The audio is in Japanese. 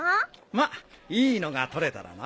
まっいいのが撮れたらな。